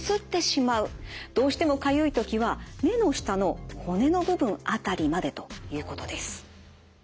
どうしてもかゆい時は目の下の骨の部分辺りまでということです。